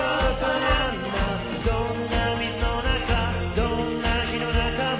「どんな水の中どんな火の中も」